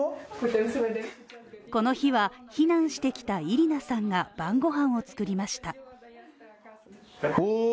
この日は、避難してきたイリナさんが晩御飯を作りました。